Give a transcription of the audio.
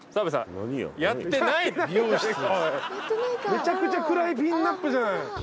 めちゃくちゃ暗いＰＩＮＵＰじゃない。